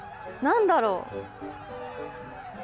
何だろう？